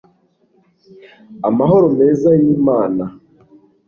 amahoro meza y'imana